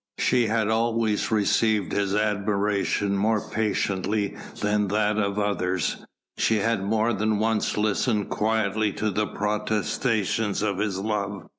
She had always received his admiration more patiently than that of others, she had more than once listened quietly to the protestations of his love.